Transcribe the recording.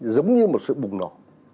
giống như một sự bùng nổ